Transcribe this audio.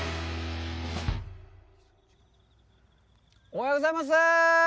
おはようございます。